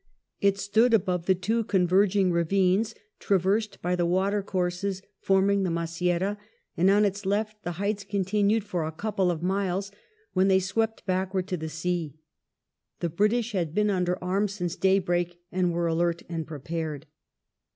It stood above the two converging ravines traversed by the water courses forming the Maceira ; and on its left the heights continued for a couple of miles, when they swept backward to the sea. The British had been under arms since daybreak and were alert and prepared.